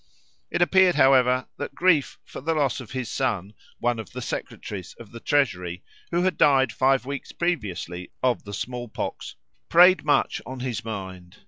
It appeared, however, that grief for the loss of his son, one of the secretaries of the Treasury, who had died five weeks previously of the small pox, preyed much on his mind.